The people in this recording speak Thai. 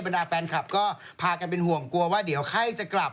ดาแฟนคลับก็พากันเป็นห่วงกลัวว่าเดี๋ยวไข้จะกลับ